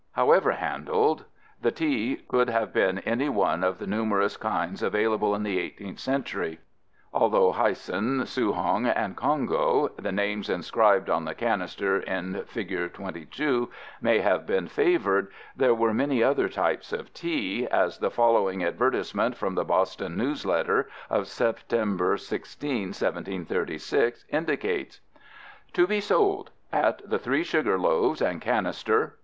However handled, the tea could have been any one of the numerous kinds available in the 18th century. Although Hyson, Soughong, and Congo, the names inscribed on the canister in figure 22, may have been favored, there were many other types of tea, as the following advertisement from the Boston News Letter of September 16, 1736, indicates: To be Sold ... at the Three Sugar Loaves, and Cannister